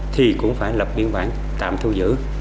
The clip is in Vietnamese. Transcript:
thì cũng phải lập biên bản tạm thu giữ